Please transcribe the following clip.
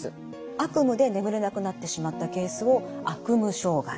悪夢で眠れなくなってしまったケースを悪夢障害。